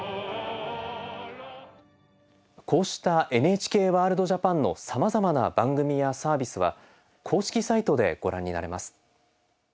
こうした「ＮＨＫワールドＪＡＰＡＮ」のさまざまな番組やサービスは公式サイトでご覧になれます。